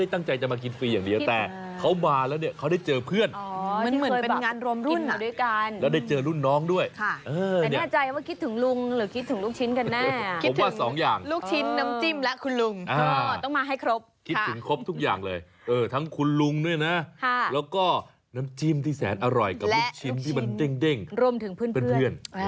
ยังคิดถึงคุณลุงอยู่